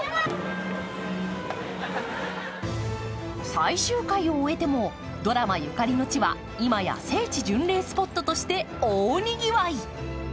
最終回を終えてもドラマゆかりの地は今や聖地巡礼スポットとして大にぎわい。